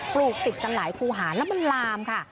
ปลูกติดกันหลายภูหารแล้วมันลามค่ะ